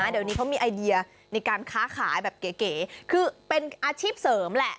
เดี๋ยวนี้เขามีไอเดียในการค้าขายแบบเก๋คือเป็นอาชีพเสริมแหละ